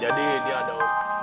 jadi ini ada